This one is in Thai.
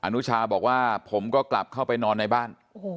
นุชาบอกว่าผมก็กลับเข้าไปนอนในบ้าน